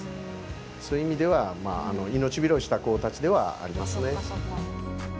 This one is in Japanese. そういう意味では命拾いした子たちではありますね。